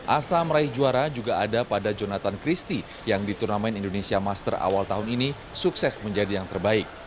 asa meraih juara juga ada pada jonathan christie yang di turnamen indonesia master awal tahun ini sukses menjadi yang terbaik